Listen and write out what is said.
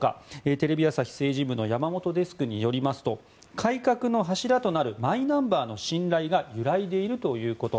テレビ朝日政治部の山本デスクによりますと改革の柱となるマイナンバーの信頼が揺らいでいるということ。